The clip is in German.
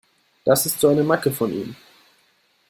Das ist so eine Macke von ihm.